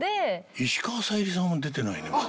石川さゆりさんも出てないねまだ。